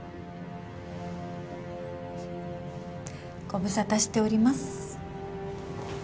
ご無沙汰しております。